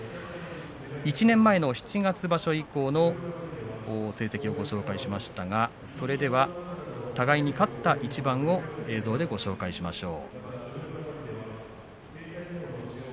１年前の七月場所以降の成績をご紹介しましたがそれでは互いに勝った一番を映像でご紹介しましょう。